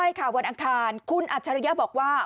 ใช่ค่ะวันอังคารคุณอัจฉริยะบอกว่า